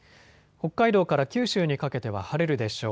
北海道から九州にかけては晴れるでしょう。